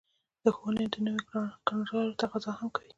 د ښوونې د نويو کړنلارو تقاضا هم کوي.